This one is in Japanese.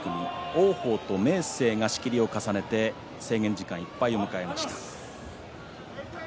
王鵬と明生が仕切りを重ねて制限時間いっぱいを迎えました。